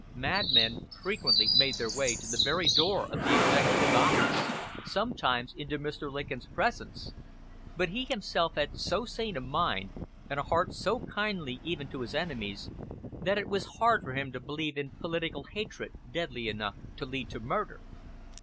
Madmen frequently made their way to the very door of the Executive Office; sometimes into Mr. Lincoln's presence; but he himself had so sane a mind, and a heart so kindly even to his enemies, that it was hard for him to believe in political hatred deadly enough to lead to murder.